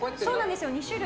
２種類。